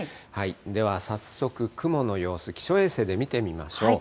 では早速、雲の様子、気象衛星で見てみましょう。